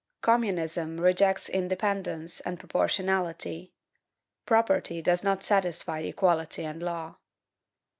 Communism rejects independence and proportionality; property does not satisfy equality and law.